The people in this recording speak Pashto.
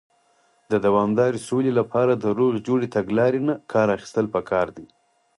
د دوامدارې سولې لپاره، د روغې جوړې تګلارې نۀ کار اخيستل پکار دی.